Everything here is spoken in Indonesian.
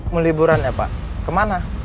meliburan ya pak kemana